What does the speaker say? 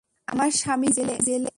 আমার স্বামী জেলে।